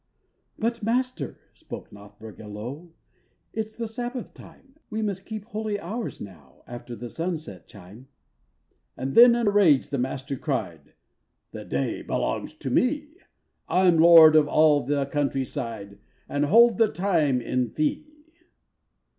"But master," spoke Nothburga low, "It's the Sabbath time; We must keep holy hours now, After the sunset chime." And then in rage the master cried: "The day belongs to me! I'm lord of all the country side, And hold the time in fee!"